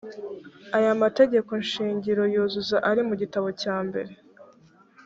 aya mategeko shingiro yuzuza ari mu gitabo cyambere.